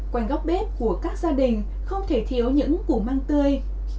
quanh góc bếp của các gia đình không thể thiếu những củ măng tươi